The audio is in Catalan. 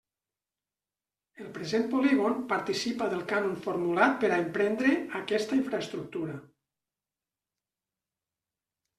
El present polígon participa del cànon formulat per a emprendre aquesta infraestructura.